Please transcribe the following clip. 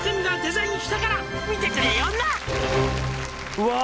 うわ！